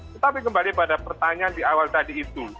tetapi kembali pada pertanyaan di awal tadi itu